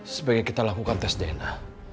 sebaiknya kita lakukan tes dna